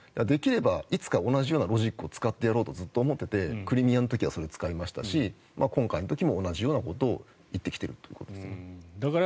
できればいつか同じようなロジックを使ってやろうとずっと思っていてクリミアの時はそれを使いましたし今回も同じようなことを言ってきてるってことですね。